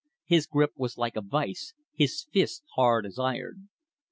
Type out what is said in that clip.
His grip was like a vice; his fist hard as iron.